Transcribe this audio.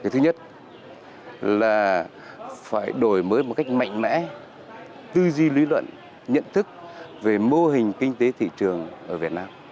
thứ nhất là phải đổi mới một cách mạnh mẽ tư duy lý luận nhận thức về mô hình kinh tế thị trường ở việt nam